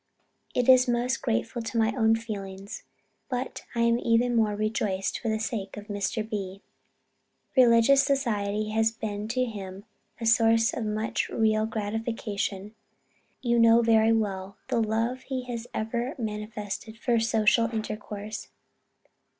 It is most grateful to my own feelings, but I am even more rejoiced for the sake of Mr. B. Religious society has ever been to him a source of much real gratification. You know very well the love he has ever manifested for social intercourse.